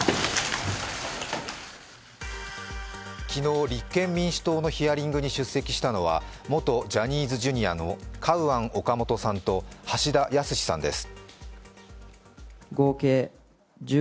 昨日、立憲民主党のヒアリングに出席したのは元ジャニーズＪｒ．のカウアン・オカモトさんと橋田康さんです。